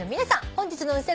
本日の運勢